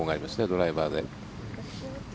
ドライバーで。